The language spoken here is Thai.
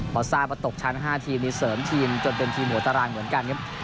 พอทราบว่าตกชั้น๕ทีมนี้เสริมทีมจนเป็นทีมหัวตารางเหมือนกันครับ